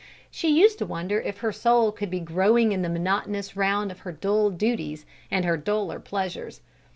She used to wonder if her soul could be growing in the monotonous round of her dull duties and her duller pleasures.